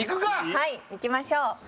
はいいきましょう。